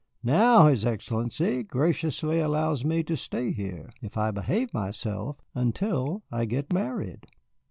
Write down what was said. Now his Excellency graciously allows me to stay here, if I behave myself, until I get married."